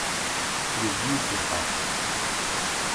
It is used in optics.